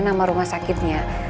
nama rumah sakitnya